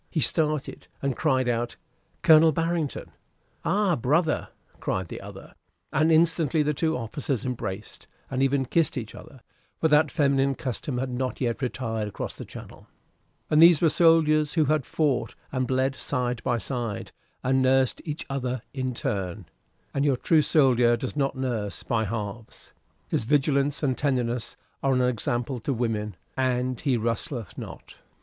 He started, and cried out, "Colonel Barrington!" "Ay, brother," cried the other, and instantly the two officers embraced, and even kissed each other, for that feminine custom had not yet retired across the Channel; and these were soldiers who had fought and bled side by side, and nursed each other in turn; and your true soldier does not nurse by halves: his vigilance and tenderness are an example to women, and he rustleth not.